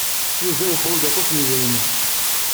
Yuba yeḥwaj aṭas n yidrimen?